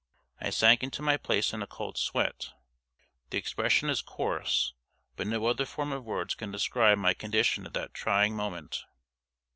I sank into my place in a cold sweat; the expression is coarse, but no other form of words can describe my condition at that trying moment.